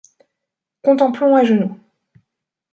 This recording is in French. Contemplons à genoux ;